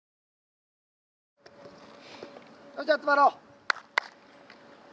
それじゃ集まろう。